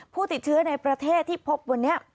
ผู้ติดเชื้อในประเทศที่พบวันนี้